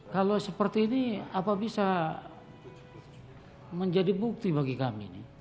kalau seperti ini apa bisa menjadi bukti bagi kami